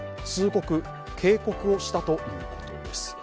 通告・警告したということです。